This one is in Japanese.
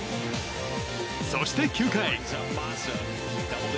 そして９回。